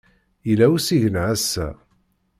Yella usigna ass-a.